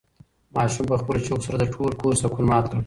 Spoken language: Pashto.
ماشوم په خپلو چیغو سره د ټول کور سکون مات کړ.